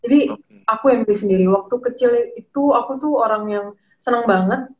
jadi aku yang beli sendiri waktu kecil itu aku tuh orang yang seneng banget